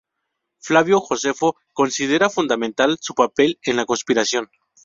Flavio Josefo considera fundamental su papel en la conspiración.